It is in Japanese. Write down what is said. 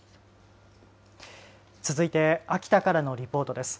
続いて秋田からのリポートです。